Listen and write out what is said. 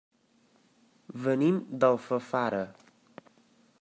Venim d'Alfafara.